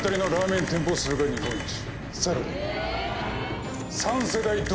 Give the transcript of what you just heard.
さらに。